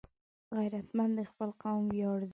غیرتمند د خپل قوم ویاړ دی